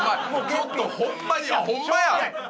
ちょっとホンマにあっホンマや！